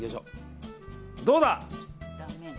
どうだ。